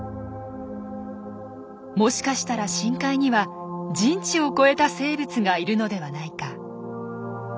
もしかしたら深海には人知を超えた生物がいるのではないか？